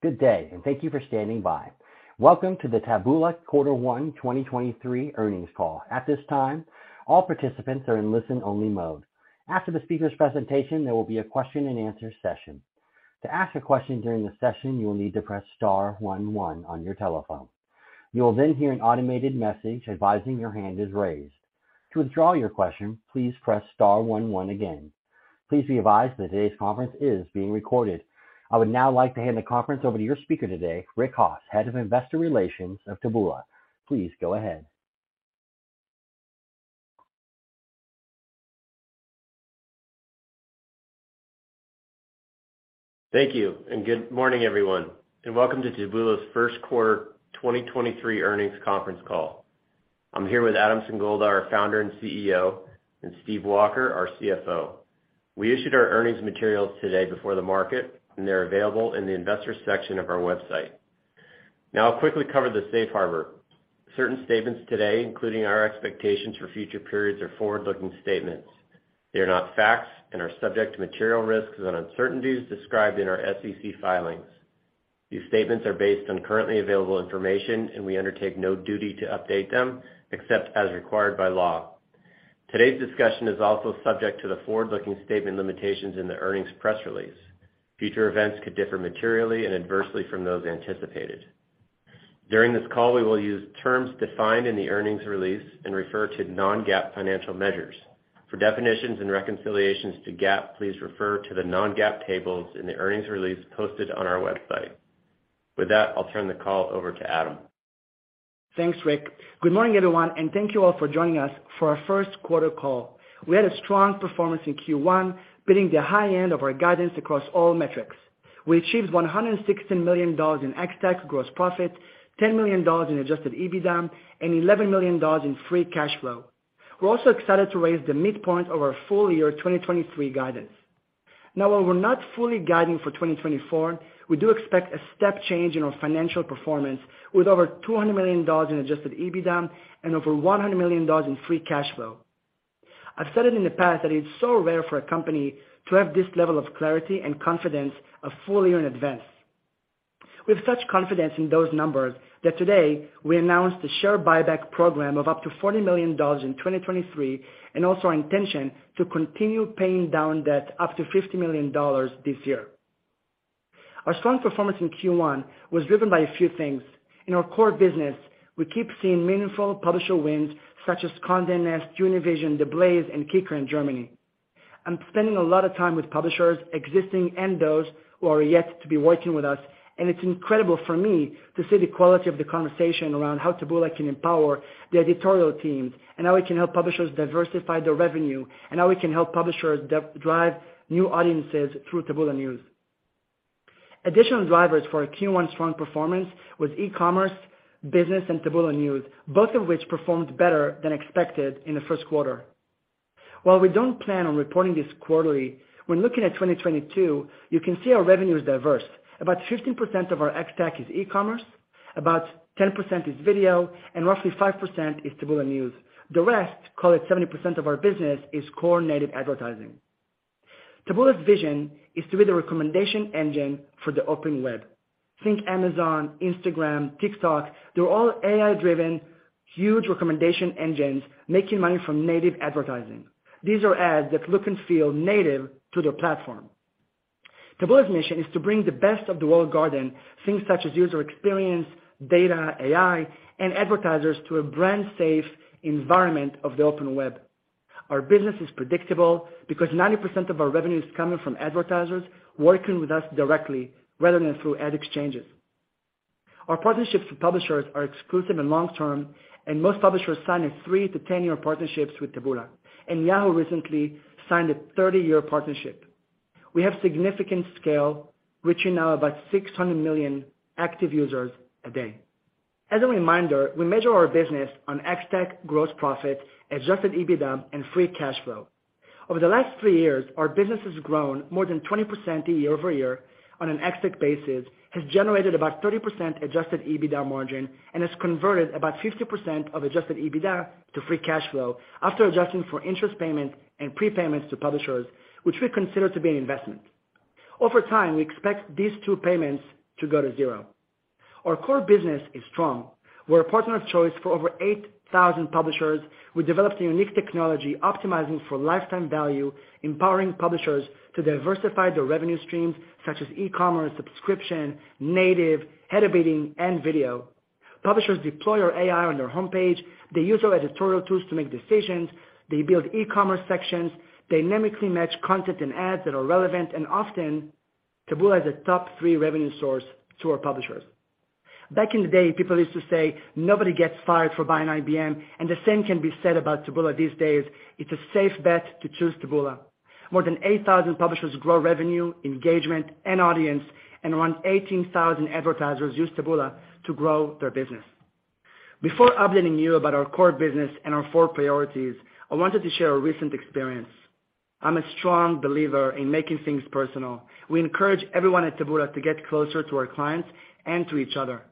Good day, and thank you for standing by. Welcome to the Taboola Q1 2023 earnings call. At this time, all participants are in listen-only mode. After the speaker's presentation, there will be a Q&A session. To ask a question during the session, you will need to press star one one on your telephone. You will then hear an automated message advising your hand is raised. To withdraw your question, please press star one one again. Please be advised that today's conference is being recorded. I would now like to hand the conference over to your speaker today, Rick Hoss, Head of Investor Relations of Taboola. Please go ahead. Thank you, good morning, everyone, and welcome to Taboola's 1st quarter 2023 earnings conference call. I'm here with Adam Singolda, our founder and CEO, and Steve Walker, our CFO. We issued our earnings materials today before the market, and they're available in the investors section of our website. Now I'll quickly cover the safe harbor. Certain statements today, including our expectations for future periods, are forward-looking statements. They are not facts and are subject to material risks and uncertainties described in our SEC filings. These statements are based on currently available information, and we undertake no duty to update them except as required by law. Today's discussion is also subject to the forward-looking statement limitations in the earnings press release. Future events could differ materially and adversely from those anticipated. During this call, we will use terms defined in the earnings release and refer to non-GAAP financial measures. For definitions and reconciliations to GAAP, please refer to the non-GAAP tables in the earnings release posted on our website. With that, I'll turn the call over to Adam. Thanks, Rick. Good morning, everyone, and thank you all for joining us for our first quarter call. We had a strong performance in Q1, beating the high end of our guidance across all metrics. We achieved $116 million in ex-TAC gross profit, $10 million in adjusted EBITDA, and $11 million in free cash flow. We're also excited to raise the midpoint of our full year 2023 guidance. While we're not fully guiding for 2024, we do expect a step change in our financial performance with over $200 million in adjusted EBITDA and over $100 million in free cash flow. I've said it in the past that it's so rare for a company to have this level of clarity and confidence a full year in advance. We have such confidence in those numbers that today we announced a share buyback program of up to $40 million in 2023, also our intention to continue paying down debt up to $50 million this year. Our strong performance in Q1 was driven by a few things. In our core business, we keep seeing meaningful publisher wins such as Condé Nast, Univision, The Blaze, and kicker in Germany. I'm spending a lot of time with publishers, existing and those who are yet to be working with us, and it's incredible for me to see the quality of the conversation around how Taboola can empower the editorial teams and how we can help publishers diversify their revenue and how we can help publishers drive new audiences through Taboola News. Additional drivers for our Q1 strong performance was E-commerce, business, and Taboola News, both of which performed better than expected in the first quarter. While we don't plan on reporting this quarterly, when looking at 2022, you can see our revenue is diverse. About 15% of our ex-TAC is E-commerce, about 10% is video, and roughly 5% is Taboola News. The rest, call it 70% of our business, is core native advertising. Taboola's vision is to be the recommendation engine for the open web. Think Amazon, Instagram, TikTok. They're all AI-driven, huge recommendation engines making money from native advertising. These are ads that look and feel native to their platform. Taboola's mission is to bring the best of the walled garden, things such as user experience, data, AI, and advertisers to a brand safe environment of the open web. Our business is predictable because 90% of our revenue is coming from advertisers working with us directly, rather than through ad exchanges. Our partnerships with publishers are exclusive and long-term, most publishers sign a 3 years-10 years partnerships with Taboola. Yahoo recently signed a 30-years partnership. We have significant scale, reaching now about 600 million active users a day. As a reminder, we measure our business on ex-TAC gross profit, adjusted EBITDA, and free cash flow. Over the last three years, our business has grown more than 20% YoY on an ex-TAC basis, has generated about 30% adjusted EBITDA margin, and has converted about 50% of adjusted EBITDA to free cash flow after adjusting for interest payment and prepayments to publishers, which we consider to be an investment. Over time, we expect these two payments to go to zero. Our core business is strong. We're a partner of choice for over 8,000 publishers. We developed a unique technology optimizing for lifetime value, empowering publishers to diversify their revenue streams such as E-commerce, subscription, native, header bidding, and video. Publishers deploy our AI on their homepage. They use our editorial tools to make decisions. They build E-commerce sections, dynamically match content and ads that are relevant, and often Taboola is a top three revenue source to our publishers. Back in the day, people used to say, "Nobody gets fired for buying IBM," and the same can be said about Taboola these days. It's a safe bet to choose Taboola. More than 8,000 publishers grow revenue, engagement, and audience, and around 18,000 advertisers use Taboola to grow their business. Before updating you about our core business and our four priorities, I wanted to share a recent experience. I'm a strong believer in making things personal. We encourage everyone at Taboola to get closer to our clients and to each other.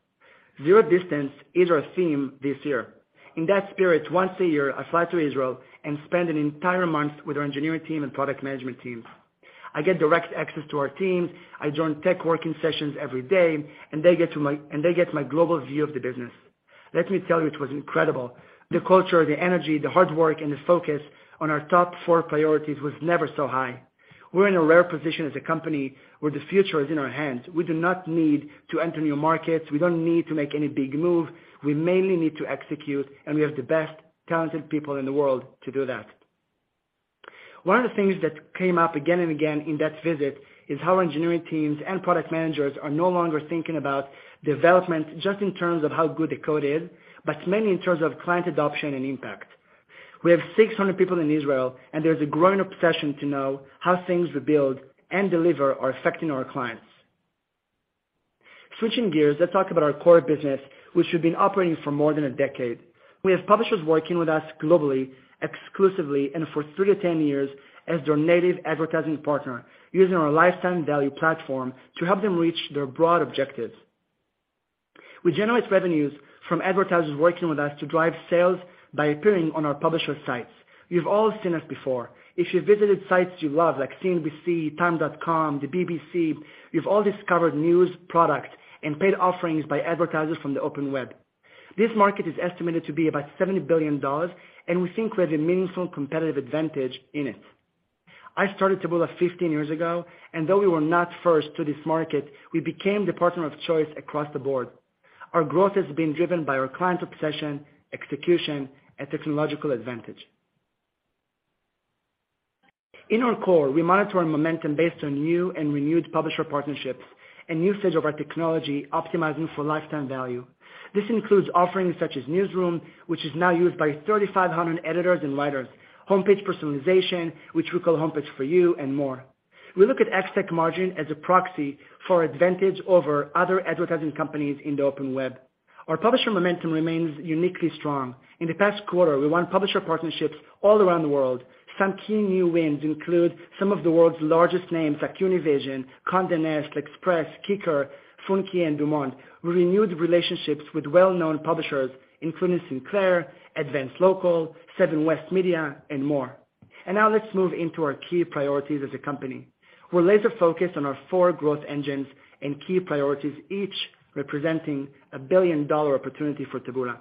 Zero distance is our theme this year. In that spirit, once a year, I fly to Israel and spend an entire month with our engineering team and product management teams. I get direct access to our teams, I join tech working sessions every day, and they get my global view of the business. Let me tell you, it was incredible. The culture, the energy, the hard work, and the focus on our top four priorities was never so high. We're in a rare position as a company where the future is in our hands. We do not need to enter new markets. We don't need to make any big move. We mainly need to execute. We have the best talented people in the world to do that. One of the things that came up again and again in that visit is how engineering teams and product managers are no longer thinking about development just in terms of how good the code is, but mainly in terms of client adoption and impact. We have 600 people in Israel. There's a growing obsession to know how things we build and deliver are affecting our clients. Switching gears, let's talk about our core business, which we've been operating for more than a decade. We have publishers working with us globally, exclusively, for 3years-10 years as their native advertising partner, using our lifetime value platform to help them reach their broad objectives. We generate revenues from advertisers working with us to drive sales by appearing on our publisher sites. You've all seen us before. If you visited sites you love like CNBC, time.com, the BBC, you've all discovered news, product, and paid offerings by advertisers from the open web. This market is estimated to be about $70 billion, and we think we have a meaningful competitive advantage in it. I started Taboola 15 years ago, and though we were not first to this market, we became the partner of choice across the board. Our growth has been driven by our client obsession, execution, and technological advantage. In our core, we monitor our momentum based on new and renewed publisher partnerships and usage of our technology optimizing for lifetime value. This includes offerings such as Newsroom, which is now used by 3,500 editors and writers, homepage personalization, which we call Homepage For You, and more. We look at ex-TAC margin as a proxy for advantage over other advertising companies in the open web. Our publisher momentum remains uniquely strong. In the past quarter, we won publisher partnerships all around the world. Some key new wins include some of the world's largest names like Univision, Condé Nast, L'Express, kicker, Funke, and DuMont. We renewed relationships with well-known publishers including Sinclair, Advance Local, Seven West Media, and more. Now let's move into our key priorities as a company. We're laser-focused on our four growth engines and key priorities, each representing a billion-dollar opportunity for Taboola.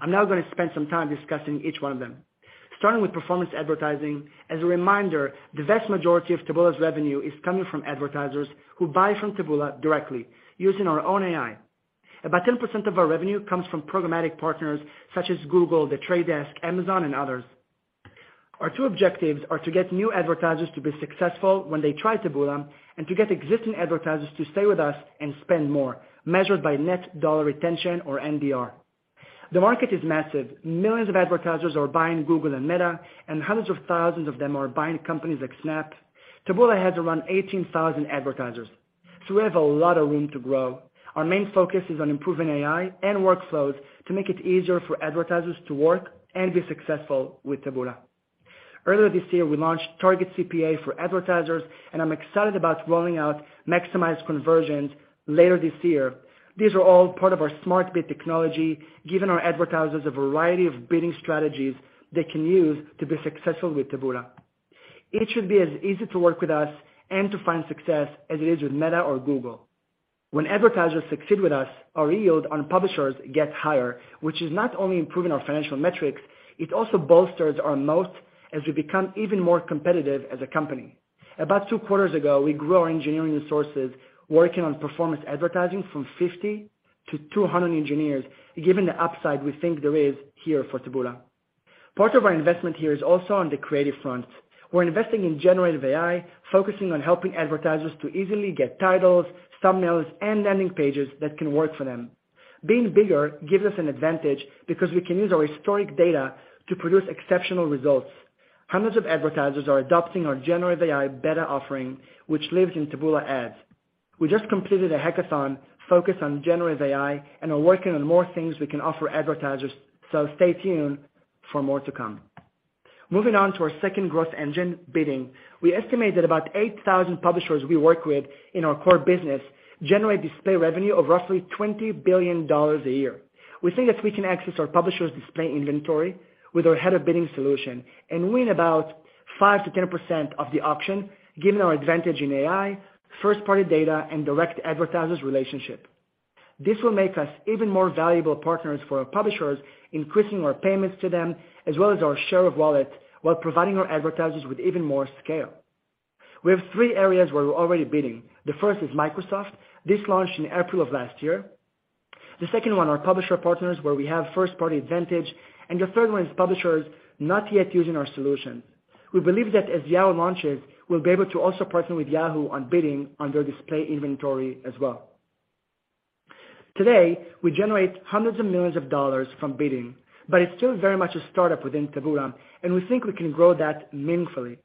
I'm now gonna spend some time discussing each one of them. Starting with performance advertising, as a reminder, the vast majority of Taboola's revenue is coming from advertisers who buy from Taboola directly using our own AI. About 10% of our revenue comes from programmatic partners such as Google, The Trade Desk, Amazon, and others. Our two objectives are to get new advertisers to be successful when they try Taboola, and to get existing advertisers to stay with us and spend more, measured by net dollar retention or NDR. The market is massive. Millions of advertisers are buying Google and Meta. Hundreds of thousands of them are buying companies like Snap. Taboola has around 18,000 advertisers. We have a lot of room to grow. Our main focus is on improving AI and workflows to make it easier for advertisers to work and be successful with Taboola. Earlier this year, we launched Target CPA for advertisers, and I'm excited about rolling out Maximized Conversions later this year. These are all part of our Smart Bid technology, giving our advertisers a variety of bidding strategies they can use to be successful with Taboola. It should be as easy to work with us and to find success as it is with Meta or Google. When advertisers succeed with us, our yield on publishers gets higher, which is not only improving our financial metrics, it also bolsters our most as we become even more competitive as a company. About two quarters ago, we grew our engineering resources working on performance advertising from 50 to 200 engineers, given the upside we think there is here for Taboola. Part of our investment here is also on the creative front. We're investing in generative AI, focusing on helping advertisers to easily get titles, thumbnails, and landing pages that can work for them. Being bigger gives us an advantage because we can use our historic data to produce exceptional results. Hundreds of advertisers are adopting our generative AI beta offering, which lives in Taboola Ads. We just completed a hackathon focused on generative AI and are working on more things we can offer advertisers. Stay tuned for more to come. Moving on to our second growth engine, bidding. We estimate that about 8,000 publishers we work with in our core business generate display revenue of roughly $20 billion a year. We think that we can access our publishers' display inventory with our header bidding solution and win about 5%-10% of the auction, given our advantage in AI, first-party data, and direct advertisers relationship. This will make us even more valuable partners for our publishers, increasing our payments to them as well as our share of wallet while providing our advertisers with even more scale. We have three areas where we're already bidding. The first is Microsoft. This launched in April of last year. The second one are publisher partners, where we have first-party advantage, and the third one is publishers not yet using our solution. We believe that as Yahoo launches, we'll be able to also partner with Yahoo on bidding on their display inventory as well. Today, we generate hundreds of millions of dollars from bidding, but it's still very much a startup within Taboola, and we think we can grow that meaningfully.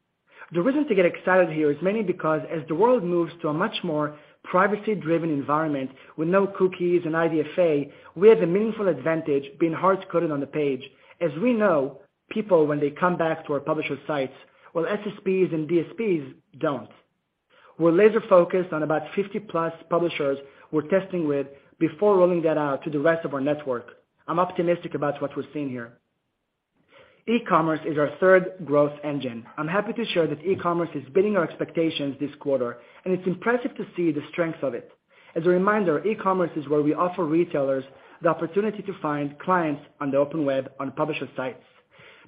The reason to get excited here is mainly because as the world moves to a much more privacy-driven environment with no cookies and IDFA, we have a meaningful advantage being hard-coded on the page. As we know, people when they come back to our publisher sites, while SSPs and DSPs don't. We're laser-focused on about 50+ publishers we're testing with before rolling that out to the rest of our network. I'm optimistic about what we're seeing here. E-commerce is our third growth engine. I'm happy to share that E-commerce is beating our expectations this quarter, and it's impressive to see the strengths of it. As a reminder, E-commerce is where we offer retailers the opportunity to find clients on the open web on publisher sites.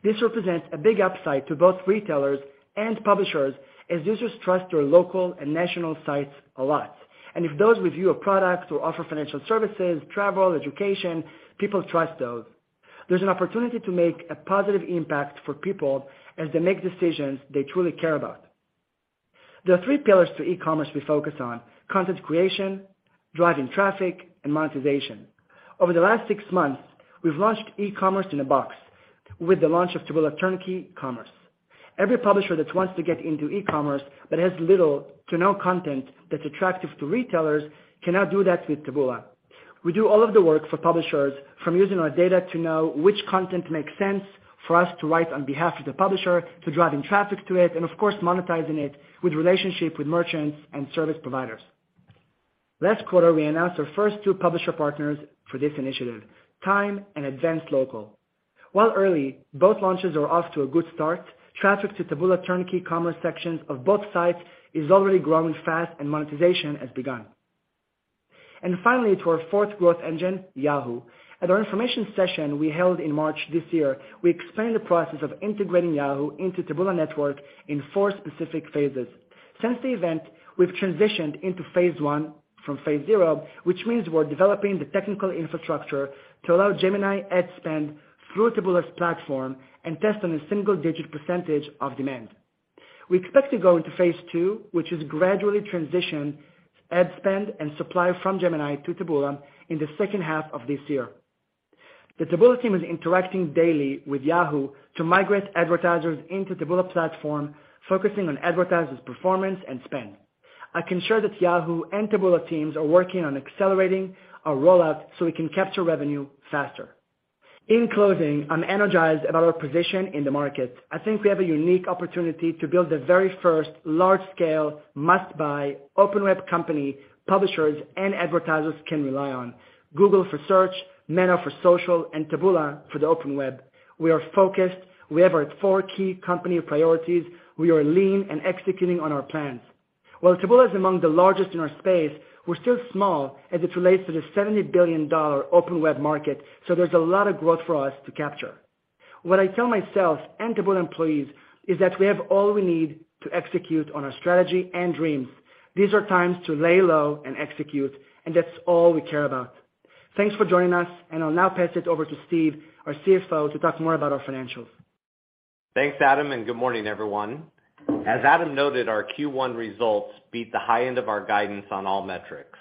This represents a big upside to both retailers and publishers as users trust their local and national sites a lot. If those review a product or offer financial services, travel, education, people trust those. There's an opportunity to make a positive impact for people as they make decisions they truly care about. There are three pillars to E-commerce we focus on: content creation, driving traffic, and monetization. Over the last six months, we've launched E-commerce in a box with the launch of Taboola Turnkey Commerce. Every publisher that wants to get into E-commerce but has little to no content that's attractive to retailers cannot do that with Taboola. We do all of the work for publishers from using our data to know which content makes sense for us to write on behalf of the publisher, to driving traffic to it, and of course, monetizing it with relationship with merchants and service providers. Last quarter, we announced our first two publisher partners for this initiative, TIME and Advance Local. While early, both launches are off to a good start. Traffic to Taboola Turnkey Commerce sections of both sites is already growing fast and monetization has begun. Finally, to our fourth growth engine, Yahoo. At our information session we held in March this year, we explained the process of integrating Yahoo into Taboola network in four specific phases. Since the event, we've transitioned into phase one from phase zero, which means we're developing the technical infrastructure to allow Gemini ad spend through Taboola's platform and test on a single-digit % of demand. We expect to go into phase two, which is gradually transition ad spend and supply from Gemini to Taboola in the second half of this year. The Taboola team is interacting daily with Yahoo to migrate advertisers into Taboola platform, focusing on advertisers' performance and spend. I can share that Yahoo and Taboola teams are working on accelerating our rollout we can capture revenue faster. In closing, I'm energized about our position in the market. I think we have a unique opportunity to build the very first large-scale must-buy open web company publishers and advertisers can rely on. Google for search, Meta for social, Taboola for the open web. We are focused. We have our four key company priorities. We are lean and executing on our plans. While Taboola is among the largest in our space, we're still small as it relates to the $70 billion open web market, there's a lot of growth for us to capture. What I tell myself and Taboola employees is that we have all we need to execute on our strategy and dreams. These are times to lay low and execute, and that's all we care about. Thanks for joining us, and I'll now pass it over to Steve, our CFO, to talk more about our financials. Thanks, Adam, good morning, everyone. As Adam noted, our Q1 results beat the high end of our guidance on all metrics.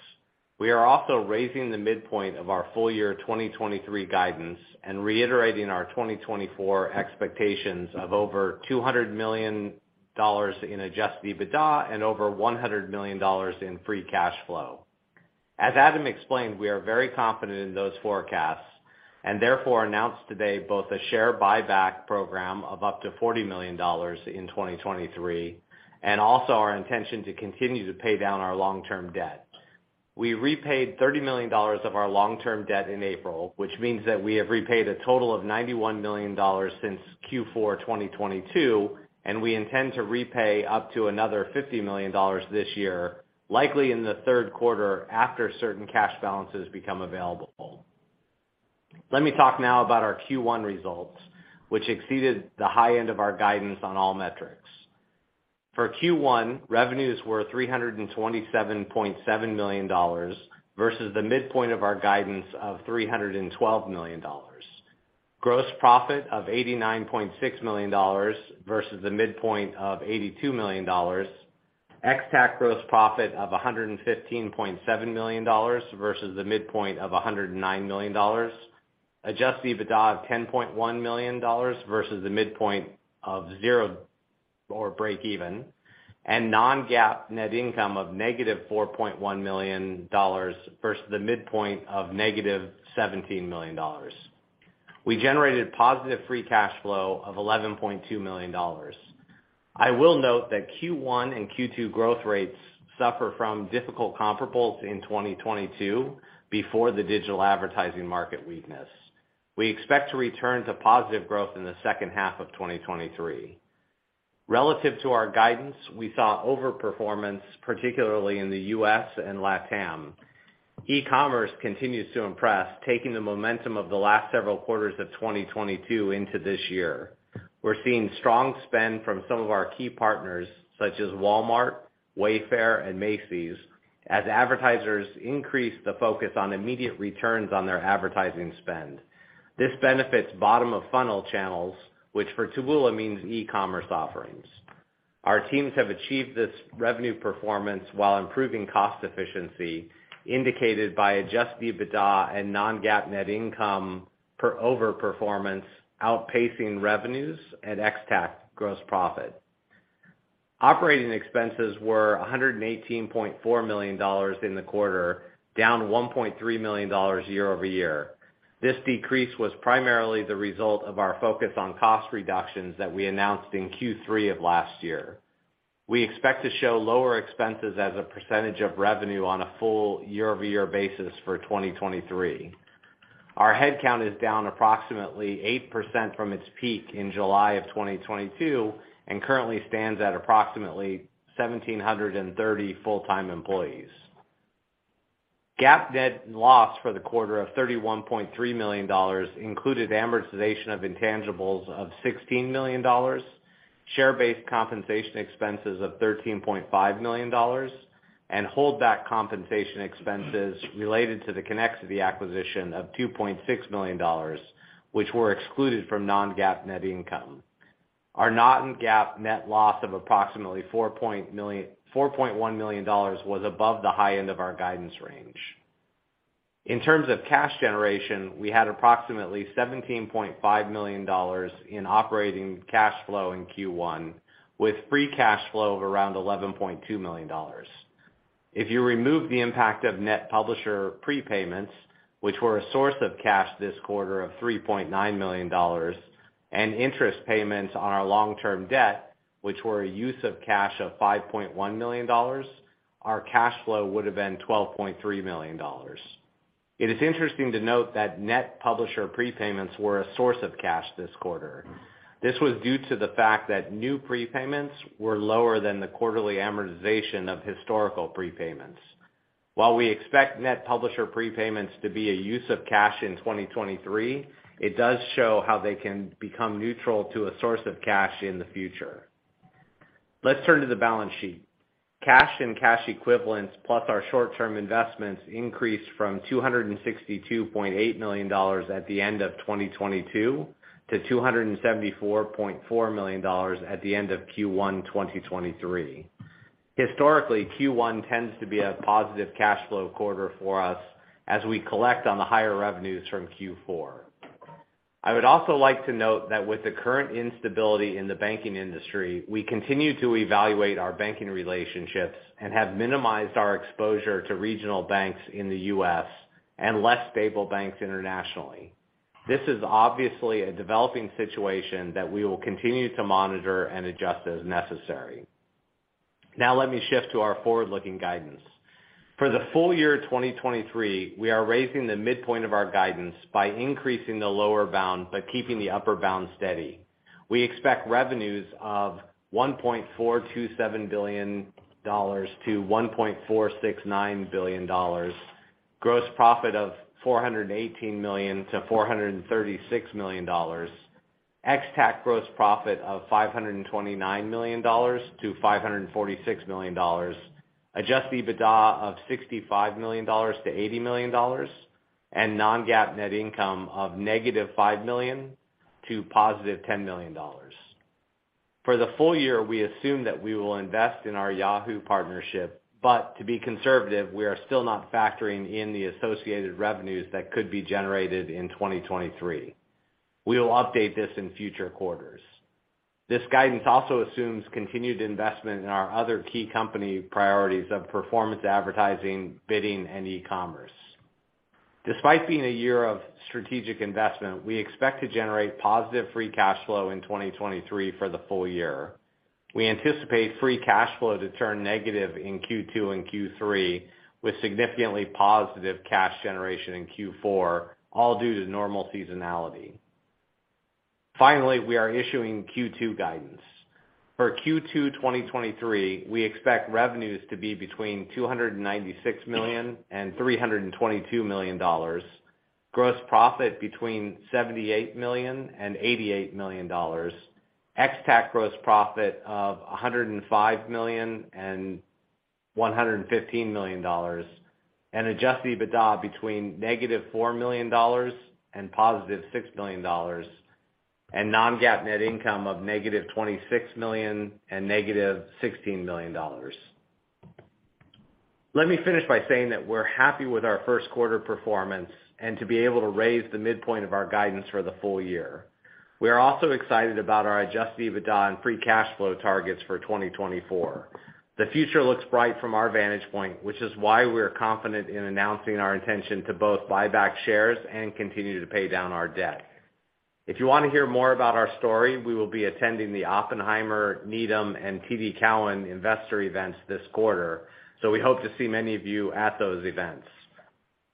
We are also raising the midpoint of our full year 2023 guidance and reiterating our 2024 expectations of over $200 million in adjusted EBITDA and over $100 million in free cash flow. As Adam explained, we are very confident in those forecasts and therefore announced today both a share buyback program of up to $40 million in 2023, and also our intention to continue to pay down our long-term debt. We repaid $30 million of our long-term debt in April, which means that we have repaid a total of $91 million since Q4 2022, and we intend to repay up to another $50 million this year, likely in the third quarter after certain cash balances become available. Let me talk now about our Q1 results, which exceeded the high end of our guidance on all metrics. For Q1, revenues were $327.7 million versus the midpoint of our guidance of $312 million. Gross profit of $89.6 million versus the midpoint of $82 million. ex-TAC gross profit of $115.7 million versus the midpoint of $109 million. adjusted EBITDA of $10.1 million versus the midpoint of 0 or break even. Non-GAAP net income of -$4.1 million versus the midpoint of -$17 million. We generated positive free cash flow of $11.2 million. I will note that Q1 and Q2 growth rates suffer from difficult comparables in 2022 before the digital advertising market weakness. We expect to return to positive growth in the second half of 2023. Relative to our guidance, we saw overperformance, particularly in the U.S. and LatAm. E-commerce continues to impress, taking the momentum of the last several quarters of 2022 into this year. We're seeing strong spend from some of our key partners, such as Walmart, Wayfair, and Macy's, as advertisers increase the focus on immediate returns on their advertising spend. This benefits bottom-of-funnel channels, which for Taboola means E-commerce offerings. Our teams have achieved this revenue performance while improving cost efficiency indicated by adjusted EBITDA and non-GAAP net income per overperformance outpacing revenues and ex-TAC gross profit. Operating expenses were $118.4 million in the quarter, down $1.3 million YoY. This decrease was primarily the result of our focus on cost reductions that we announced in Q3 of last year. We expect to show lower expenses as a percentage of revenue on a full YoY basis for 2023. Our head count is down approximately 8% from its peak in July of 2022, and currently stands at approximately 1,730 full-time employees. GAAP net loss for the quarter of $31.3 million included amortization of intangibles of $16 million, share-based compensation expenses of $13.5 million, and holdback compensation expenses related to the Connexity acquisition of $2.6 billion, which were excluded from non-GAAP net income. Our non-GAAP net loss of approximately $4.1 million was above the high end of our guidance range. In terms of cash generation, we had approximately $17.5 million in operating cash flow in Q1, with free cash flow of around $11.2 million. If you remove the impact of net publisher prepayments, which were a source of cash this quarter of $3.9 million, and interest payments on our long-term debt, which were a use of cash of $5.1 million, our cash flow would have been $12.3 million. It is interesting to note that net publisher prepayments were a source of cash this quarter. This was due to the fact that new prepayments were lower than the quarterly amortization of historical prepayments. While we expect net publisher prepayments to be a use of cash in 2023, it does show how they can become neutral to a source of cash in the future. Let's turn to the balance sheet. Cash and cash equivalents + our short-term investments increased from $262.8 million at the end of 2022 to $274.4 million at the end of Q1 2023. Historically, Q1 tends to be a positive cash flow quarter for us as we collect on the higher revenues from Q4. I would also like to note that with the current instability in the banking industry, we continue to evaluate our banking relationships and have minimized our exposure to regional banks in the U.S. and less stable banks internationally. This is obviously a developing situation that we will continue to monitor and adjust as necessary. Now let me shift to our forward-looking guidance. For the full year 2023, we are raising the midpoint of our guidance by increasing the lower bound but keeping the upper bound steady. We expect revenues of $1.427 billion-$1.469 billion. Gross profit of $418 million-$436 million. Ex-TAC gross profit of $529 million-$546 million. Adjusted EBITDA of $65 million-$80 million. Non-GAAP net income of -$5 million to $10 million. For the full year, we assume that we will invest in our Yahoo partnership, but to be conservative, we are still not factoring in the associated revenues that could be generated in 2023. We will update this in future quarters. This guidance also assumes continued investment in our other key company priorities of performance advertising, bidding, and E-commerce. Despite being a year of strategic investment, we expect to generate positive free cash flow in 2023 for the full year. We anticipate free cash flow to turn negative in Q2 and Q3, with significantly positive cash generation in Q4, all due to normal seasonality. We are issuing Q2 guidance. For Q2, 2023, we expect revenues to be between $296 million and $322 million. Gross profit between $78 million and $88 million. ex-TAC gross profit of $105 million and $115 million. adjusted EBITDA between -$4 million and +$6 million. non-GAAP net income of -$26 million and -$16 million. Let me finish by saying that we're happy with our first quarter performance and to be able to raise the midpoint of our guidance for the full year. We are also excited about our adjusted EBITDA and free cash flow targets for 2024. The future looks bright from our vantage point, which is why we're confident in announcing our intention to both buy back shares and continue to pay down our debt. If you wanna hear more about our story, we will be attending the Oppenheimer, Needham, and TD Cowen investor events this quarter, so we hope to see many of you at those events.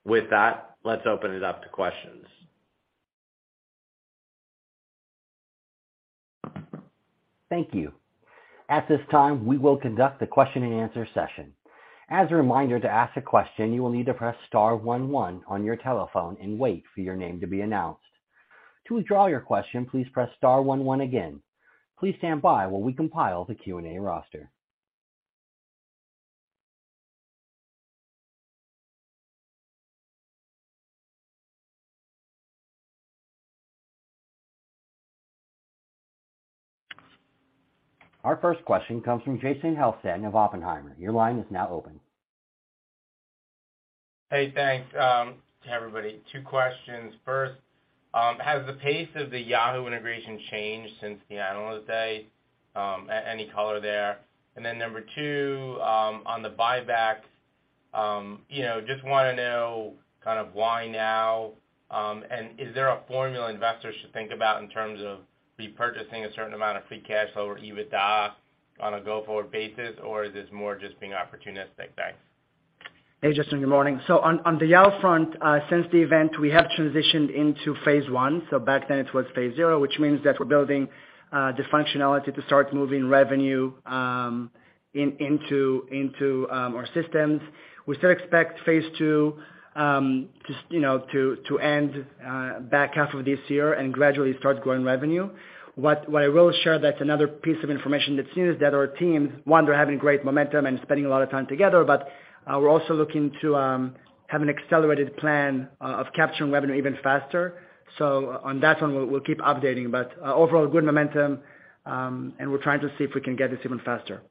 With that, let's open it up to questions. Thank you. At this time, we will conduct the question and answer session. As a reminder, to ask a question, you will need to press star one one on your telephone and wait for your name to be announced. To withdraw your question, please press star one one again. Please stand by while we compile the Q&A roster. Our first question comes from Jason Helfstein of Oppenheimer. Your line is now open. Hey, thanks to everybody. two questions. Has the pace of the Yahoo integration changed since the analyst day? Any color there? Number 2, on the buyback, you know, just wanna know kind of why now, and is there a formula investors should think about in terms of repurchasing a certain amount of free cash flow or EBITDA on a go-forward basis, or is this more just being opportunistic? Thanks. Hey, Justin. Good morning. On the Yahoo front, since the event, we have transitioned into phase one. Back then it was phase zero, which means that we're building the functionality to start moving revenue into our systems. We still expect phase two, you know, to end back half of this year and gradually start growing revenue. What I will share that's another piece of information that's new is that our team, one, they're having great momentum and spending a lot of time together, but we're also looking to have an accelerated plan of capturing revenue even faster. On that one, we'll keep updating. Overall, good momentum, and we're trying to see if we can get this even faster.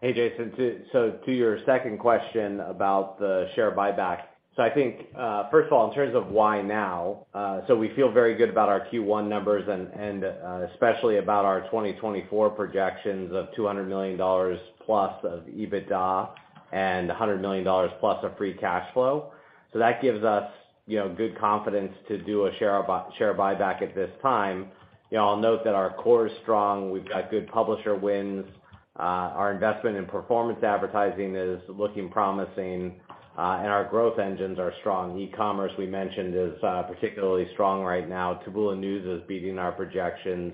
Hey, Jason. To your second question about the share buyback. I think, first of all, in terms of why now, we feel very good about our Q1 numbers and especially about our 2024 projections of +$200 million of EBITDA and + $100 million of free cash flow. That gives us, you know, good confidence to do a share buyback at this time. You know, I'll note that our core is strong. We've got good publisher wins. Our investment in performance advertising is looking promising, and our growth engines are strong. E-commerce, we mentioned, is particularly strong right now. Taboola News is beating our projections.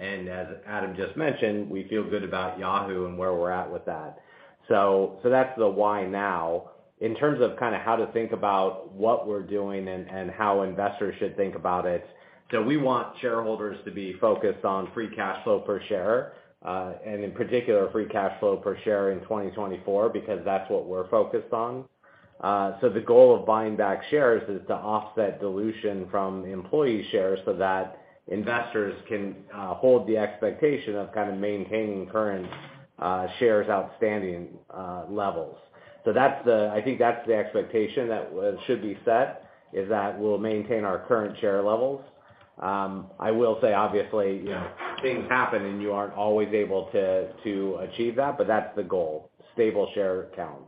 As Adam just mentioned, we feel good about Yahoo and where we're at with that. That's the why now. In terms of kinda how to think about what we're doing and how investors should think about it, we want shareholders to be focused on free cash flow per share, and in particular, free cash flow per share in 2024 because that's what we're focused on. The goal of buying back shares is to offset dilution from employee shares so that investors can, hold the expectation of kind of maintaining current, shares outstanding, levels. I think that's the expectation that should be set, is that we'll maintain our current share levels. I will say, obviously, you know, things happen, and you aren't always able to achieve that, but that's the goal, stable share count.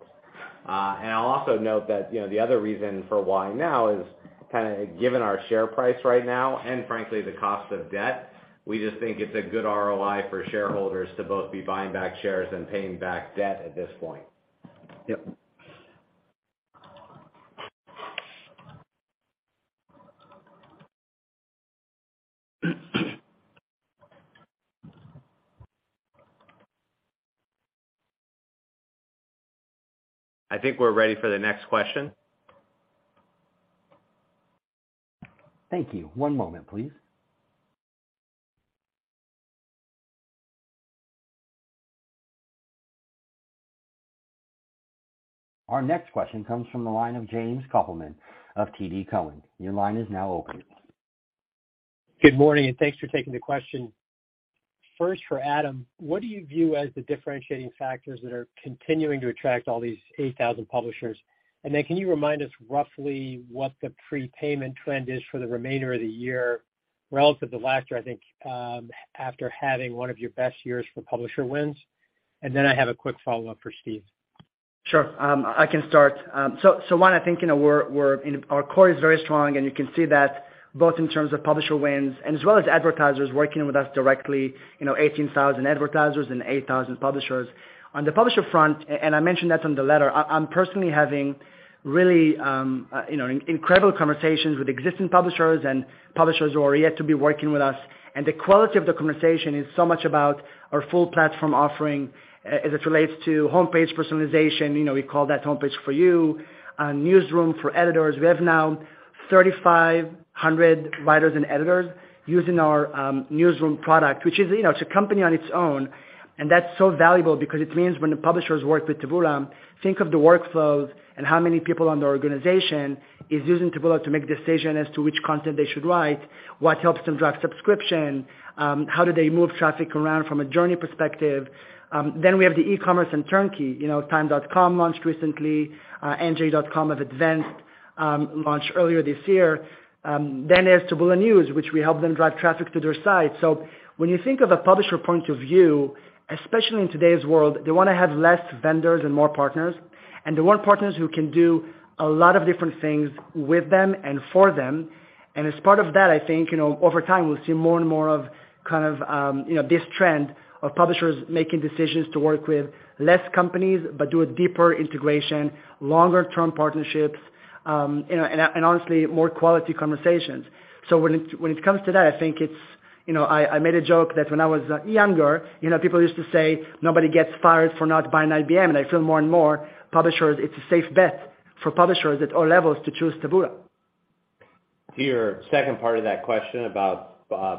I'll also note that, you know, the other reason for why now is kinda given our share price right now and frankly the cost of debt, we just think it's a good ROI for shareholders to both be buying back shares and paying back debt at this point. I think we're ready for the next question. Thank you. One moment, please. Our next question comes from the line of James Kopelman of TD Cowen. Your line is now open. Good morning, and thanks for taking the question. First for Adam, what do you view as the differentiating factors that are continuing to attract all these 8,000 publishers? Can you remind us roughly what the prepayment trend is for the remainder of the year relative to last year, I think, after having one of your best years for publisher wins? I have a quick follow-up for Steve. Sure. I can start. One, I think, you know, we're, you know, our core is very strong, and you can see that both in terms of publisher wins and as well as advertisers working with us directly, you know, 18,000 advertisers and 8,000 publishers. On the publisher front, and I mentioned that on the letter, I'm personally having really, you know, incredible conversations with existing publishers and publishers who are yet to be working with us. The quality of the conversation is so much about our full platform offering as it relates to homepage personalization. You know, we call that Homepage For You, Newsroom for editors. We have now 3,500 writers and editors using our Newsroom product, which is, you know, it's a company on its own, that's so valuable because it means when the publishers work with Taboola, think of the workflows and how many people on the organization is using Taboola to make decision as to which content they should write, what helps them drive subscription, how do they move traffic around from a journey perspective. We have the E-commerce and turnkey. You know, time.com launched recently. nj.com of Advance Local launched earlier this year. There's Taboola News, which we help them drive traffic to their site. When you think of a publisher point of view, especially in today's world, they wanna have less vendors and more partners. They want partners who can do a lot of different things with them and for them. As part of that, I think, you know, over time, we'll see more and more of kind of, you know, this trend of publishers making decisions to work with less companies but do a deeper integration, longer term partnerships, and honestly, more quality conversations. When it comes to that, I think it's, you know, I made a joke that when I was younger, you know, people used to say, "Nobody gets fired for not buying IBM." I feel more and more publishers, it's a safe bet for publishers at all levels to choose Taboola. To your second part of that question about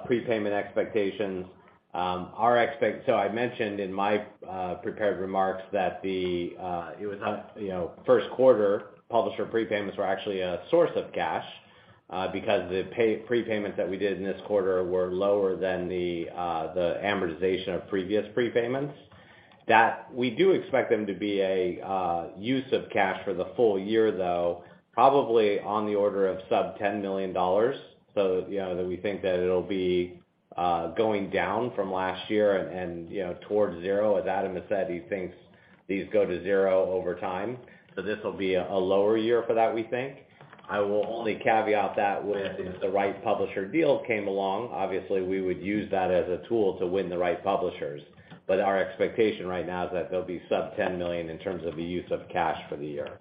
prepayment expectations, so I mentioned in my prepared remarks that it was, you know, first quarter publisher prepayments were actually a source of cash because the prepayment that we did in this quarter were lower than the amortization of previous prepayments. We do expect them to be a use of cash for the full year, though, probably on the order of sub $10 million. You know, that we think that it'll be going down from last year and, you know, towards zero. As Adam has said, he thinks these go to zero over time. This will be a lower year for that, we think. I will only caveat that with if the right publisher deal came along, obviously, we would use that as a tool to win the right publishers. Our expectation right now is that they'll be sub $10 million in terms of the use of cash for the year.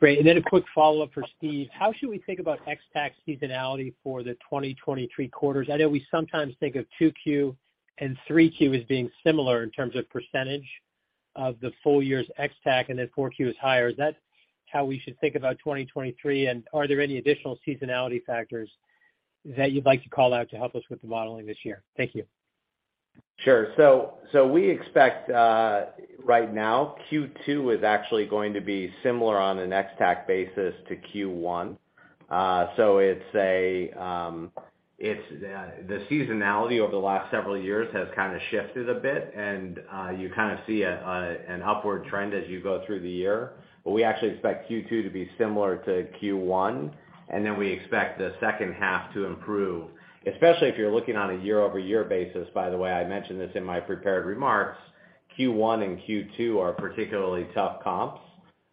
Great. A quick follow-up for Steve. How should we think about ex-TAC seasonality for the 2023 quarters? I know we sometimes think of 2Q and 3Q as being similar in terms of percentage of the full year's ex-TAC, then 4Q is higher. Is that how we should think about 2023? Are there any additional seasonality factors that you'd like to call out to help us with the modeling this year? Thank you. Sure. We expect, right now, Q2 is actually going to be similar on an ex-TAC basis to Q1. It's the seasonality over the last several years has kinda shifted a bit, and you kinda see an upward trend as you go through the year. We actually expect Q2 to be similar to Q1, and then we expect the second half to improve, especially if you're looking on a YoY basis. By the way, I mentioned this in my prepared remarks, Q1 and Q2 are particularly tough comps.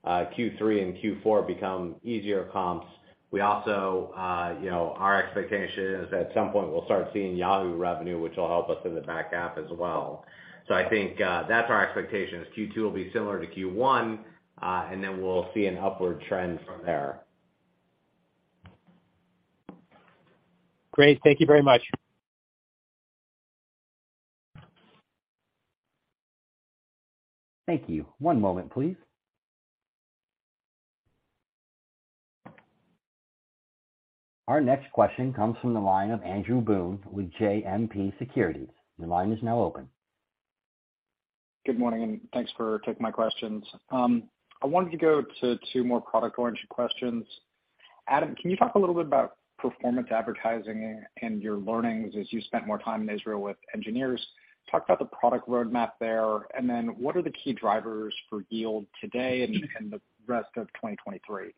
Q3 and Q4 become easier comps. We also, you know, our expectation is at some point we'll start seeing Yahoo revenue, which will help us in the back half as well. I think, that's our expectation, is Q2 will be similar to Q1, and then we'll see an upward trend from there. Great. Thank you very much. Thank you. One moment, please. Our next question comes from the line of Andrew Boone with JMP Securities. The line is now open. Good morning. Thanks for taking my questions. I wanted to go to two more product-oriented questions. Adam, can you talk a little bit about performance advertising and your learnings as you spent more time in Israel with engineers? Talk about the product roadmap there. What are the key drivers for yield today and the rest of 2023?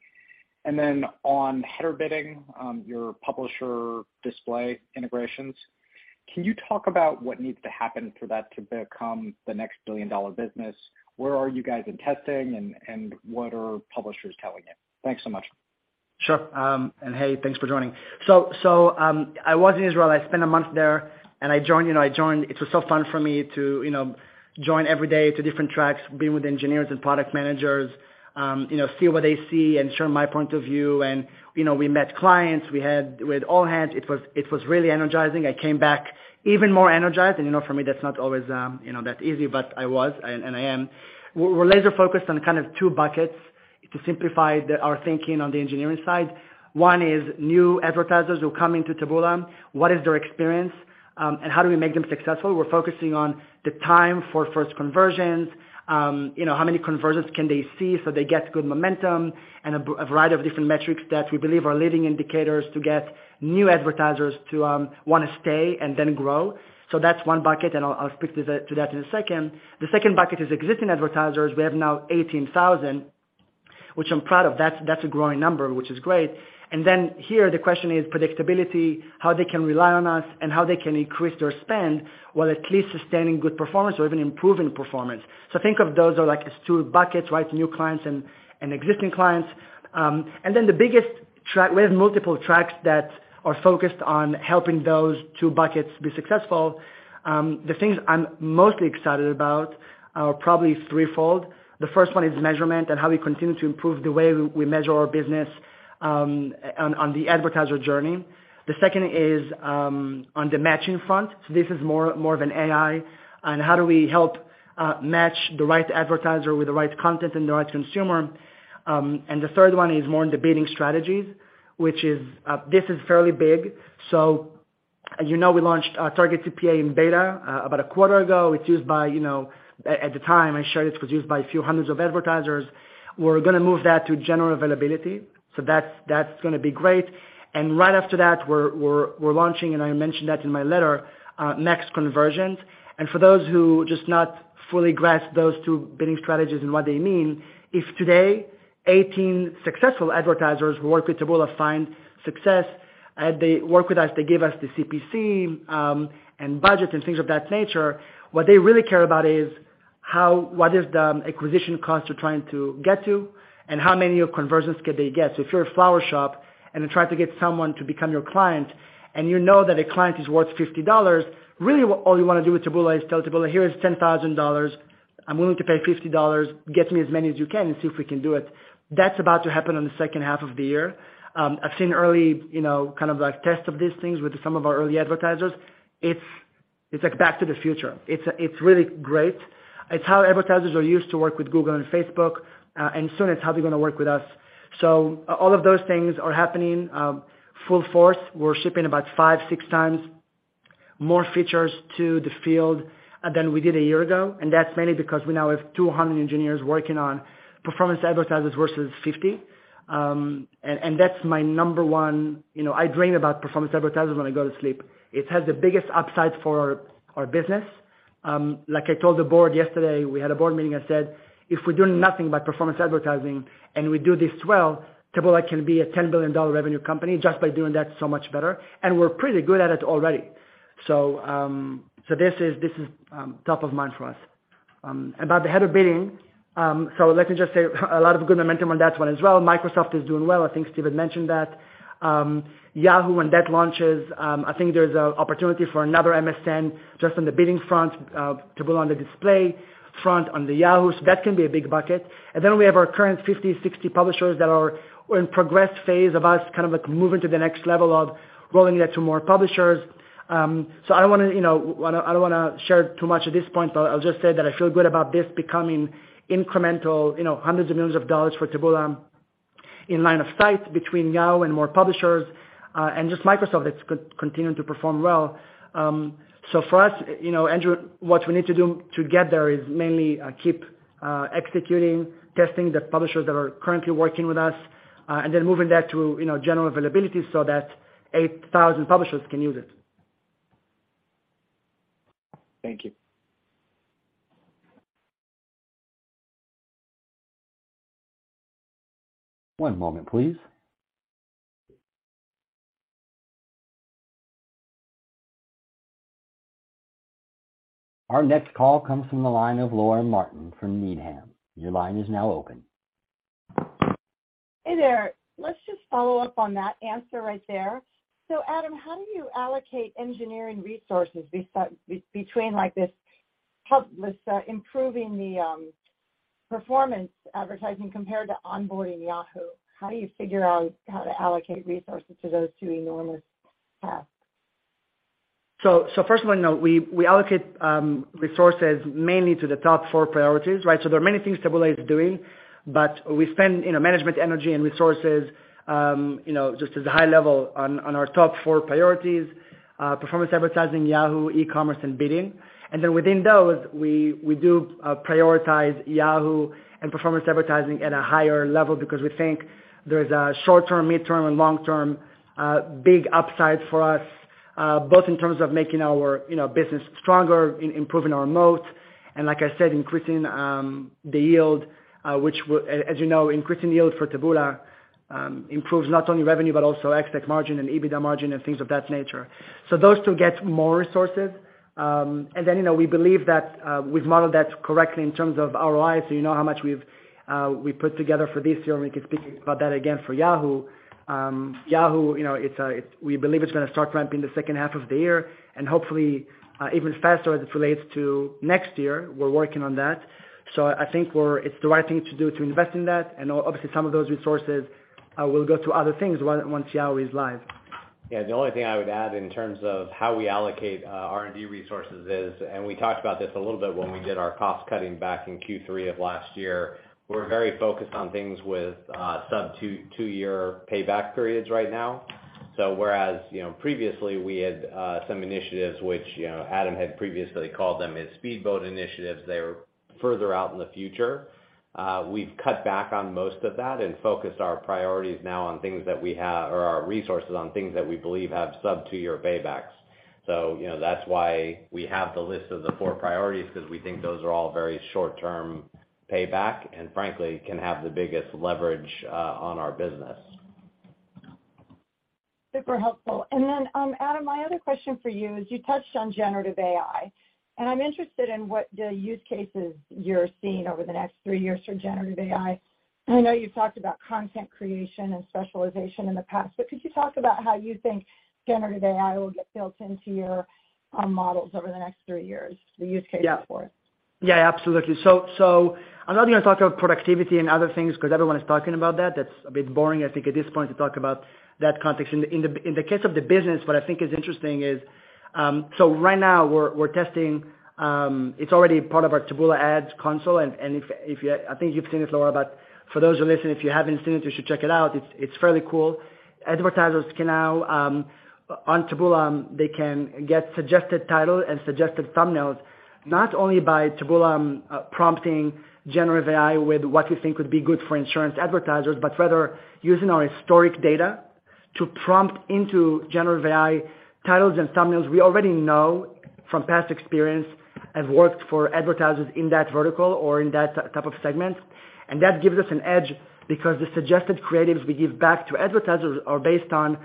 On header bidding, your publisher display integrations, can you talk about what needs to happen for that to become the next million-dollar business? Where are you guys in testing, and what are publishers telling you? Thanks so much. Sure. Hey, thanks for joining. I was in Israel. I spent a month there. I joined, you know, it was so fun for me to, you know, join every day to different tracks, being with engineers and product managers, you know, see what they see and share my point of view. You know, we met clients. We had all hands. It was really energizing. I came back even more energized. You know, for me, that's not always, you know, that easy, but I was, and I am. We're laser focused on kind of two buckets to simplify our thinking on the engineering side. One is new advertisers who are coming to Taboola. What is their experience, and how do we make them successful? We're focusing on the time for first conversions, you know, how many conversions can they see so they get good momentum, a variety of different metrics that we believe are leading indicators to get new advertisers to want to stay and then grow. That's one bucket, and I'll speak to that in a second. The second bucket is existing advertisers. We have now 18,000, which I'm proud of. That's a growing number, which is great. Then here the question is predictability, how they can rely on us and how they can increase their spend while at least sustaining good performance or even improving performance. Think of those are like as two buckets, right? New clients and existing clients. We have multiple tracks that are focused on helping those two buckets be successful. The things I'm mostly excited about are probably threefold. The first one is measurement and how we continue to improve the way we measure our business on the advertiser journey. The second is on the matching front, so this is more of an AI on how do we help match the right advertiser with the right content and the right consumer. The third one is more on the bidding strategies, which is this is fairly big. You know, we launched Target CPA in beta about a quarter ago. It's used by, you know, at the time, I shared it was used by a few hundreds of advertisers. We're gonna move that to general availability, so that's gonna be great. Right after that, we're launching, and I mentioned that in my letter, Maximize Conversions. For those who just not fully grasp those two bidding strategies and what they mean, if today 18 successful advertisers who work with Taboola find success, they work with us, they give us the CPC, and budget and things of that nature, what they really care about is what is the acquisition cost they're trying to get to and how many conversions can they get. If you're a flower shop and you're trying to get someone to become your client, and you know that a client is worth $50, really what all you wanna do with Taboola is tell Taboola, "Here is $10,000. I'm willing to pay $50. Get me as many as you can and see if we can do it." That's about to happen in the second half of the year. I've seen early, you know, kind of like test of these things with some of our early advertisers. It's, it's like back to the future. It's, it's really great. It's how advertisers are used to work with Google and Facebook, and soon it's how they're gonna work with us. All of those things are happening, full force. We're shipping about 5-6 times more features to the field than we did a year ago, and that's mainly because we now have 200 engineers working on performance advertisers versus 50. That's my number one. You know, I dream about performance advertisers when I go to sleep. It has the biggest upside for our business. Like I told the board yesterday, we had a board meeting, I said, "If we do nothing but performance advertising and we do this well, Taboola can be a $10 billion revenue company just by doing that so much better, and we're pretty good at it already." This is top of mind for us. About the header bidding, let me just say a lot of good momentum on that one as well. Microsoft is doing well. I think Stephen mentioned that. Yahoo, when that launches, I think there's a opportunity for another MSN just on the bidding front, to build on the display front on the Yahoo. That can be a big bucket. We have our current 50, 60 publishers that are in progress phase of us, kind of like moving to the next level of rolling it to more publishers. I don't wanna, you know, I don't wanna share too much at this point, but I'll just say that I feel good about this becoming incremental, you know, hundreds of millions of dollars for Taboola in line of sight between Yahoo and more publishers, and just Microsoft that's continuing to perform well. For us, you know, Andrew, what we need to do to get there is mainly, keep executing, testing the publishers that are currently working with us, and then moving that to, you know, general availability so that 8,000 publishers can use it. Thank you. One moment, please. Our next call comes from the line of Laura Martin from Needham. Your line is now open. Hey there. Let's just follow up on that answer right there. Adam, how do you allocate engineering resources between like this help with improving the performance advertising compared to onboarding Yahoo? How do you figure out how to allocate resources to those two enormous tasks? First of all, you know, we allocate resources mainly to the top four priorities, right? There are many things Taboola is doing, but we spend, you know, management energy and resources, you know, just as a high level on our top four priorities, performance advertising, Yahoo, E-commerce and bidding. Within those, we do prioritize Yahoo and performance advertising at a higher level because we think there's a short-term, mid-term and long-term big upside for us, both in terms of making our, you know, business stronger, improving our moat, and like I said, increasing the yield, which as you know, increasing yield for Taboola improves not only revenue but also ex-TAC margin and EBITDA margin and things of that nature. Those two get more resources. You know, we believe that we've modeled that correctly in terms of ROI, so you know how much we've we put together for this year, and we can speak about that again for Yahoo. Yahoo, you know, we believe it's gonna start ramping the second half of the year and hopefully even faster as it relates to next year. We're working on that. I think it's the right thing to do to invest in that. Obviously some of those resources will go to other things once Yahoo is live. Yeah. The only thing I would add in terms of how we allocate R&D resources is, and we talked about this a little bit when we did our cost-cutting back in Q3 of last year, we're very focused on things with sub 2-year payback periods right now. Whereas, you know, previously we had some initiatives which, you know, Adam had previously called them his speedboat initiatives, they were further out in the future. We've cut back on most of that and focused our resources on things that we believe have sub 2-year paybacks. You know, that's why we have the list of the four priorities, 'cause we think those are all very short-term payback and frankly can have the biggest leverage on our business. Super helpful. Adam, my other question for you is you touched on generative AI, and I'm interested in what the use cases you're seeing over the next three years for generative AI. I know you've talked about content creation and specialization in the past, but could you talk about how you think generative AI will get built into your models over the next three years, the use cases for it? Yeah. Yeah, absolutely. I'm not gonna talk about productivity and other things because everyone is talking about that. That's a bit boring I think at this point to talk about that context. In the case of the business, what I think is interesting is right now we're testing. It's already part of our Taboola Ads console and if you I think you've seen it, Laura, but for those who listen, if you haven't seen it, you should check it out. It's fairly cool. Advertisers can now, on Taboola, they can get suggested title and suggested thumbnails, not only by Taboola prompting generative AI with what we think would be good for insurance advertisers, but rather using our historic data to prompt into generative AI titles and thumbnails we already know from past experience have worked for advertisers in that vertical or in that type of segment. That gives us an edge because the suggested creatives we give back to advertisers are based on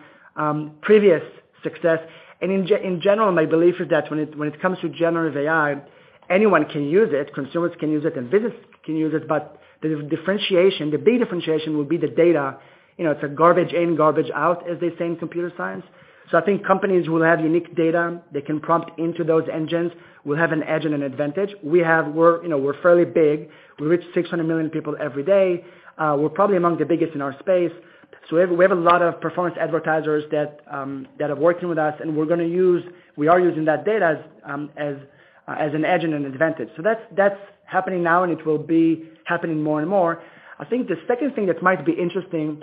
previous success. In general, my belief is that when it comes to generative AI, anyone can use it, consumers can use it and business can use it, but the differentiation, the big differentiation will be the data. You know, it's a garbage in, garbage out, as they say in computer science. I think companies who will have unique data they can prompt into those engines will have an edge and an advantage. We're, you know, we're fairly big. We reach 600 million people every day. We're probably among the biggest in our space. We have a lot of performance advertisers that are working with us and we are using that data as an edge and an advantage. That's happening now and it will be happening more and more. I think the second thing that might be interesting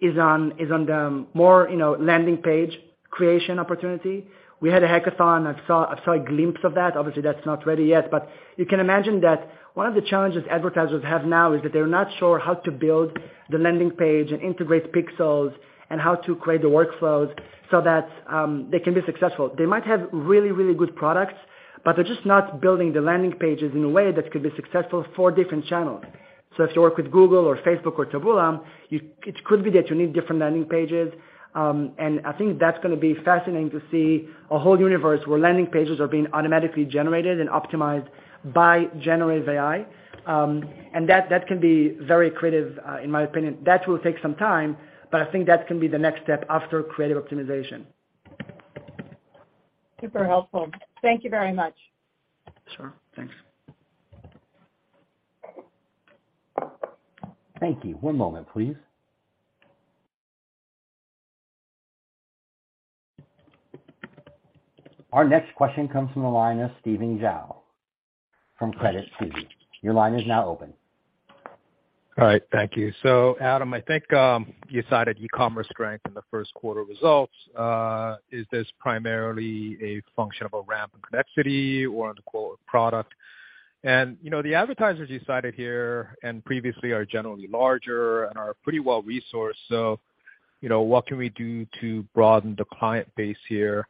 is on the more, you know, landing page creation opportunity. We had a hackathon. I've saw a glimpse of that. Obviously, that's not ready yet. You can imagine that one of the challenges advertisers have now is that they're not sure how to build the landing page and integrate pixels and how to create the workflows so that they can be successful. They might have really, really good products, they're just not building the landing pages in a way that could be successful for different channels. If you work with Google or Facebook or Taboola, you, it could be that you need different landing pages. I think that's gonna be fascinating to see a whole universe where landing pages are being automatically generated and optimized by generative AI. That, that can be very creative in my opinion. That will take some time, but I think that can be the next step after creative optimization. Super helpful. Thank you very much. Sure. Thanks. Thank you. One moment, please. Our next question comes from the line of Stephen Ju from Credit Suisse. Your line is now open. All right. Thank you. Adam, I think, you cited E-commerce strength in the first quarter results. Is this primarily a function of a ramp in Connexity or on the quote, "product?" You know, the advertisers you cited here and previously are generally larger and are pretty well-resourced. You know, what can we do to broaden the client base here?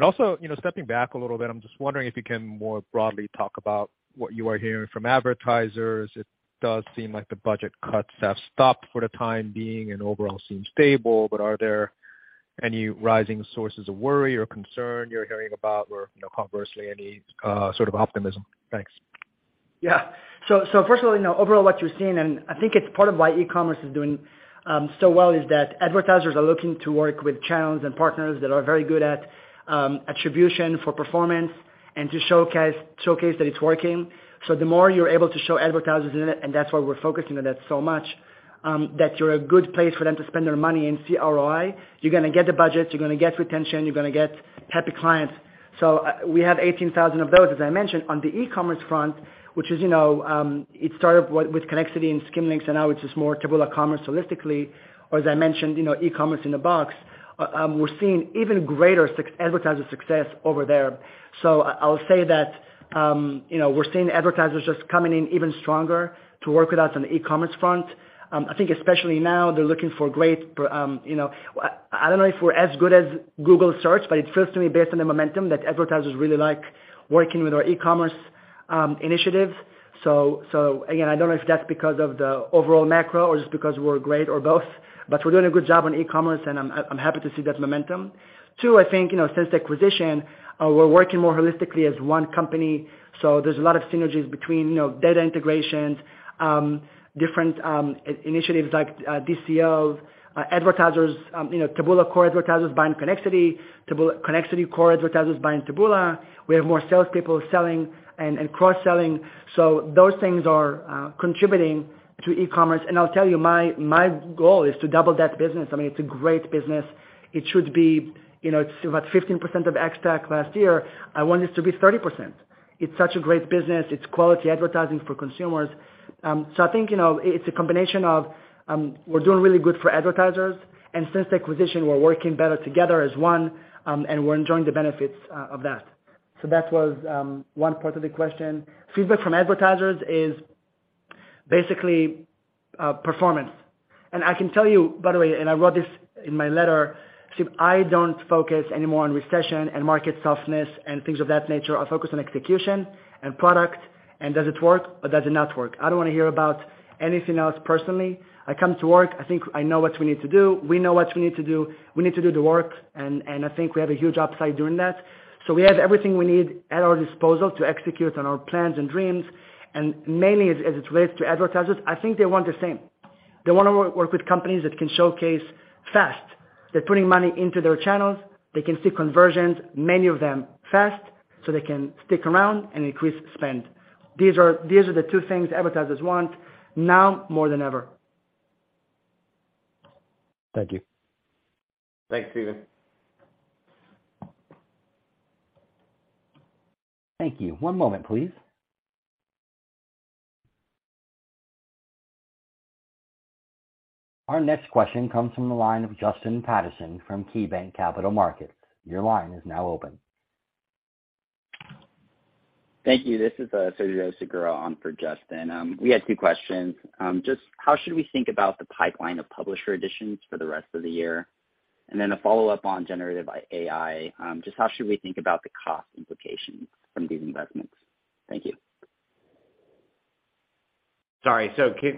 Also, you know, stepping back a little bit, I'm just wondering if you can more broadly talk about what you are hearing from advertisers. It does seem like the budget cuts have stopped for the time being and overall seem stable, but are there any rising sources of worry or concern you're hearing about or, you know, conversely any sort of optimism? Thanks. Yeah. First of all, you know, overall what you're seeing, and I think it's part of why E-commerce is doing so well, is that advertisers are looking to work with channels and partners that are very good at attribution for performance and to showcase that it's working. The more you're able to show advertisers in it, and that's why we're focusing on that so much, that you're a good place for them to spend their money and CROI. You're gonna get the budget, you're gonna get retention, you're gonna get happy clients. We have 18,000 of those, as I mentioned. On the E-commerce front, which is, you know, it started with Connexity and Skimlinks, and now it's just more Taboola Commerce holistically, or as I mentioned, you know, E-commerce in a box. We're seeing even greater advertiser success over there. I'll say that, you know, we're seeing advertisers just coming in even stronger to work with us on the E-commerce front. I think especially now they're looking for great, you know. I don't know if we're as good as Google Search, but it feels to me based on the momentum that advertisers really like working with our E-commerce initiatives. Again, I don't know if that's because of the overall macro or just because we're great or both, but we're doing a good job on E-commerce and I'm happy to see that momentum. Two, I think, you know, since the acquisition, we're working more holistically as one company. There's a lot of synergies between, you know, data integrations, different initiatives like DCOs, advertisers, you know, Taboola core advertisers buying Connexity core advertisers buying Taboola. We have more salespeople selling and cross-selling. Those things are contributing to E-commerce. I'll tell you, my goal is to double that business. I mean, it's a great business. It should be, you know, it's about 15% of ex-TAC last year. I want this to be 30%. It's such a great business. It's quality advertising for consumers. I think, you know, it's a combination of we're doing really good for advertisers, and since the acquisition, we're working better together as one, and we're enjoying the benefits of that. That was one part of the question. Feedback from advertisers is basically performance. I can tell you, by the way, and I wrote this in my letter, Steve, I don't focus anymore on recession and market softness and things of that nature. I focus on execution and product and does it work or does it not work. I don't wanna hear about anything else personally. I come to work, I think I know what we need to do. We know what we need to do. We need to do the work and I think we have a huge upside doing that. We have everything we need at our disposal to execute on our plans and dreams. Mainly as it relates to advertisers, I think they want the same. They wanna work with companies that can showcase fast. They're putting money into their channels. They can see conversions, many of them fast, so they can stick around and increase spend. These are the two things advertisers want now more than ever. Thank you. Thanks, Stephen. Thank you. One moment, please. Our next question comes from the line of Justin Patterson from KeyBanc Capital Markets. Your line is now open. Thank you. This is Sergio Segura on for Justin. We had two questions. Just how should we think about the pipeline of publisher additions for the rest of the year? Then a follow-up on generative AI. Just how should we think about the cost implications from these investments? Thank you. Sorry.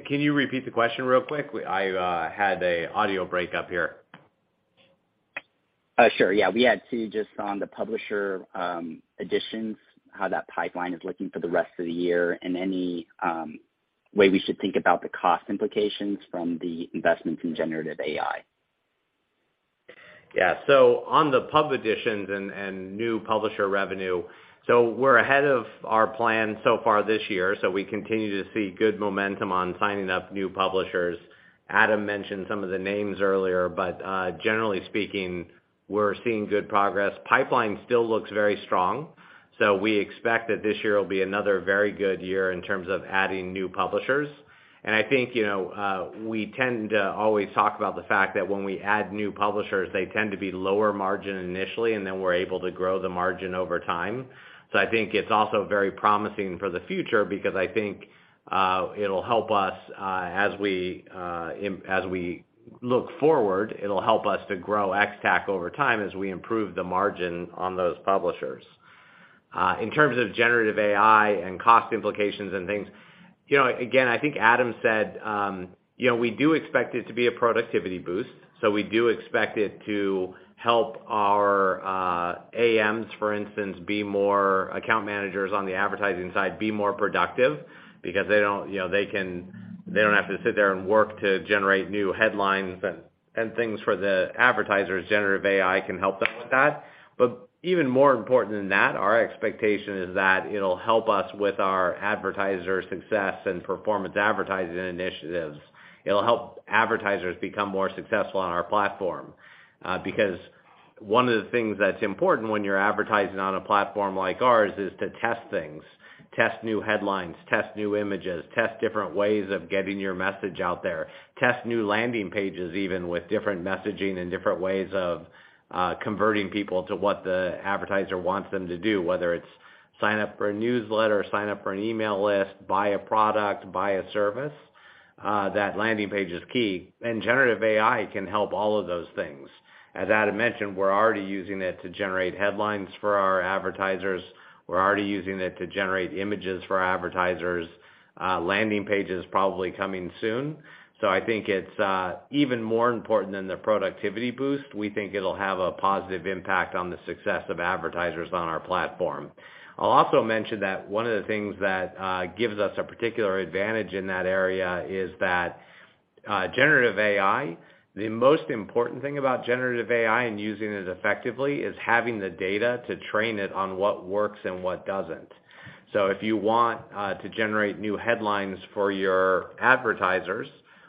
Can you repeat the question real quick? I had a audio breakup here. Sure. Yeah. We had two just on the publisher additions, how that pipeline is looking for the rest of the year, and any way we should think about the cost implications from the investments in generative AI? Yeah. On the pub additions and new publisher revenue, so we're ahead of our plan so far this year. We continue to see good momentum on signing up new publishers. Adam mentioned some of the names earlier, but generally speaking, we're seeing good progress. Pipeline still looks very strong, so we expect that this year will be another very good year in terms of adding new publishers. I think, you know, we tend to always talk about the fact that when we add new publishers, they tend to be lower margin initially, and then we're able to grow the margin over time. I think it's also very promising for the future because I think it'll help us as we look forward, it'll help us to grow ex-TAC over time as we improve the margin on those publishers. In terms of generative AI and cost implications and things, you know, again, I think Adam said, you know, we do expect it to be a productivity boost, so we do expect it to help our AMs, for instance, be more account managers on the advertising side, be more productive because they don't, you know, they don't have to sit there and work to generate new headlines and things for the advertisers. Generative AI can help them with that. Even more important than that, our expectation is that it'll help us with our advertiser success and performance advertising initiatives. It'll help advertisers become more successful on our platform, because one of the things that's important when you're advertising on a platform like ours is to test things, test new headlines, test new images, test different ways of getting your message out there. Test new landing pages, even with different messaging and different ways of converting people to what the advertiser wants them to do, whether it's sign up for a newsletter, sign up for an email list, buy a product, buy a service, that landing page is key, and generative AI can help all of those things. As Adam mentioned, we're already using it to generate headlines for our advertisers. We're already using it to generate images for advertisers. Landing pages probably coming soon. I think it's even more important than the productivity boost. We think it'll have a positive impact on the success of advertisers on our platform. I'll also mention that one of the things that gives us a particular advantage in that area is that generative AI, the most important thing about generative AI and using it effectively is having the data to train it on what works and what doesn't. If you want to generate new headlines for your advertisers,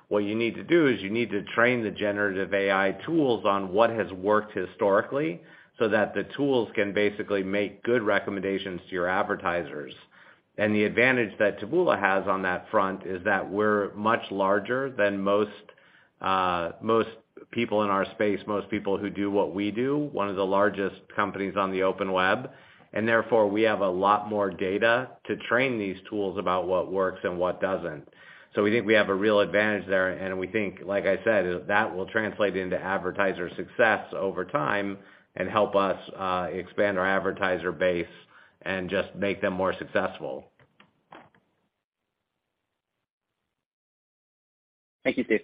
what you need to do is you need to train the generative AI tools on what has worked historically so that the tools can basically make good recommendations to your advertisers. The advantage that Taboola has on that front is that we're much larger than most people in our space, most people who do what we do, one of the largest companies on the open web, and therefore, we have a lot more data to train these tools about what works and what doesn't. We think we have a real advantage there, and we think, like I said, that will translate into advertiser success over time and help us expand our advertiser base and just make them more successful. Thank you, Steve.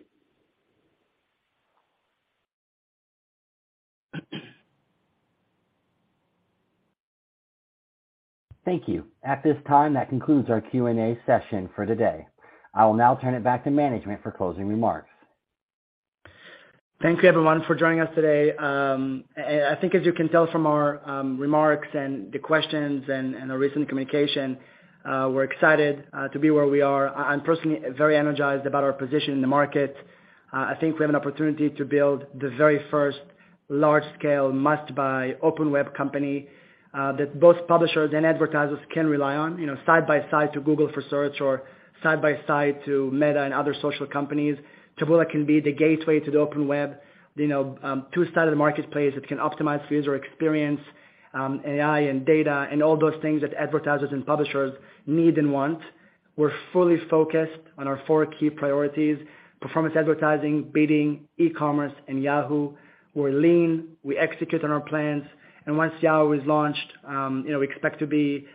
Thank you. At this time, that concludes our Q&A session for today. I will now turn it back to management for closing remarks. Thank you everyone for joining us today. I think as you can tell from our remarks and the questions and the recent communication, we're excited to be where we are. I'm personally very energized about our position in the market. I think we have an opportunity to build the very first large-scale must-buy open web company that both publishers and advertisers can rely on, you know, side by side to Google for search or side by side to Meta and other social companies. Taboola can be the gateway to the open web, you know, two sides of the marketplace that can optimize user experience, AI and data and all those things that advertisers and publishers need and want. We're fully focused on our four key priorities: performance advertising, bidding, E-commerce, and Yahoo. We're lean, we execute on our plans, and once Yahoo is launched, you know, we expect to be,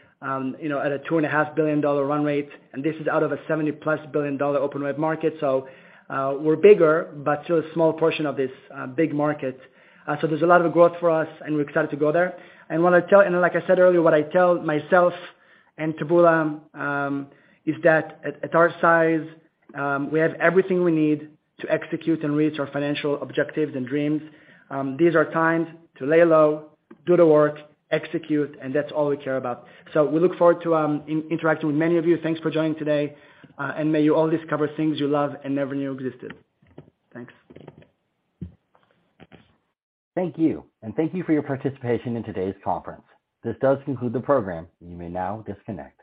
you know, at a $2.5 billion run rate, and this is out of a +$70 billion open web market. We're bigger, but still a small portion of this, big market. There's a lot of growth for us, and we're excited to go there. What I tell, and like I said earlier, what I tell myself and Taboola, is that at our size, we have everything we need to execute and reach our financial objectives and dreams. These are times to lay low, do the work, execute, and that's all we care about. We look forward to, interacting with many of you. Thanks for joining today. May you all discover things you love and never knew existed. Thanks. Thank you. Thank you for your participation in today's conference. This does conclude the program. You may now disconnect.